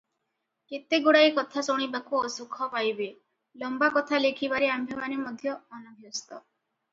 କେତେଗୁଡ଼ାଏ କଥା ଶୁଣିବାକୁ ଅସୁଖ ପାଇବେ, ଲମ୍ବା କଥା ଲେଖିବାରେ ଆମ୍ଭେମାନେ ମଧ୍ୟ ଅନଭ୍ୟସ୍ତ ।